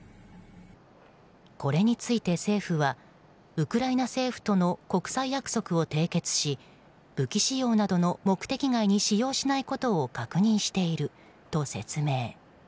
これに対し政府はウクライナ政府との国際約束を締結し武器使用などの目的外に使用しないことを確認していると説明。